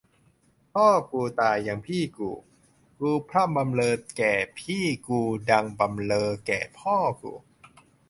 พ่อกูตายยังพี่กู กูพร่ำบำเรอแก่พี่กูดั่งบำเรอแก่พ่อกู